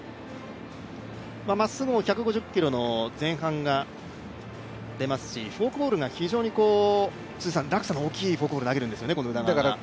まっすぐも１５０キロ前半が出ますしフォークボールが非常に落差が大きいのを投げるんですよね、宇田川は。